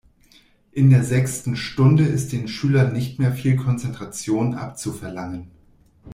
In der sechsten Stunde ist den Schülern nicht mehr viel Konzentration abzuverlangen.